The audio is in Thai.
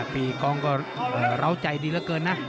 พี่กองก็ร้าวใจดีเหลือเกินนะ